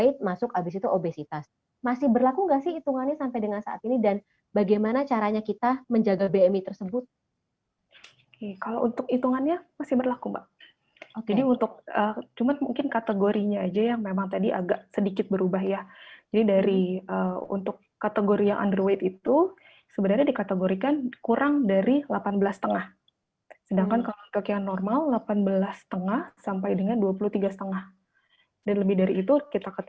itu tentunya akan memperbaiki emosi dan suasana hati kita